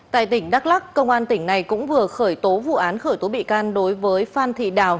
tại tỉnh đắk lắc công an tỉnh này cũng vừa khởi tố vụ án khởi tố bị can đối với phan thị đào